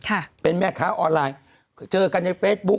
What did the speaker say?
คุณหนุ่มกัญชัยได้เล่าใหญ่ใจความไปสักส่วนใหญ่แล้ว